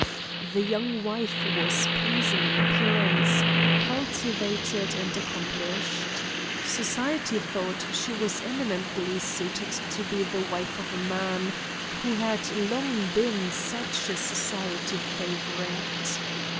The young wife was pleasing in appearance, cultivated and accomplished. Society thought she was eminently suited to be the wife of a man who had long been such a society favourite.